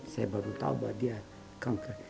saya baru tahu bahwa dia kanker